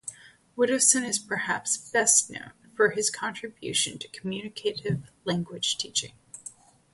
Widdowson is perhaps best known for his contribution to communicative language teaching.